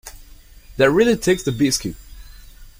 That really takes the biscuit